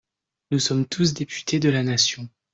Nous sommes tous députés de la nation.